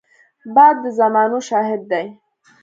باد د زمانو شاهد دی